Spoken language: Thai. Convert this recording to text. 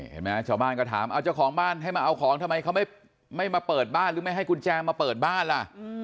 เห็นไหมชาวบ้านก็ถามเอาเจ้าของบ้านให้มาเอาของทำไมเขาไม่มาเปิดบ้านหรือไม่ให้กุญแจมาเปิดบ้านล่ะ